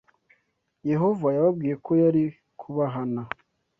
Yehova yababwiye ko yari kubahana.